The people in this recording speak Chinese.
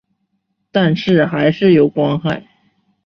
但是还是有光害